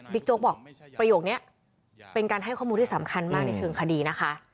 โจ๊กบอกประโยคนี้เป็นการให้ข้อมูลที่สำคัญมากในเชิงคดีนะคะ